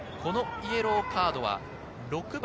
イエローカードは６番。